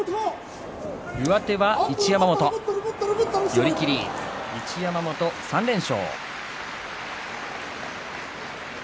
寄り切り、一山本は３連勝。